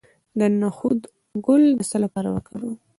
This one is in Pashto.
د نخود ګل د څه لپاره وکاروم؟